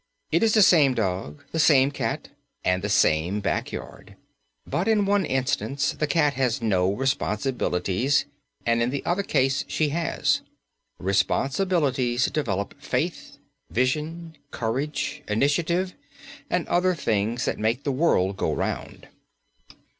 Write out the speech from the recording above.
It is the same dog, the same cat, and the same backyard; but in one instance the cat has no responsibilities and in the other case she has. Responsibilities develop faith, vision, courage, initiative, and other things that make the world go round.